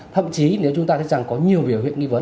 thậm chí nếu chúng ta thấy rằng có nhiều biểu hiện nghi vấn